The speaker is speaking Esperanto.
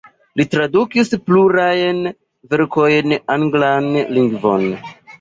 Li tradukis plurajn verkojn anglan lingvon.